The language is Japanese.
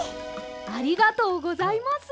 ありがとうございます。